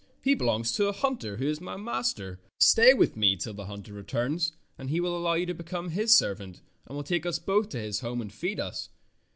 He belongs to a hunter who is my master. Stay with me till the himter returns, and he will allow you to be come his servant and will take us both to his home and feed us."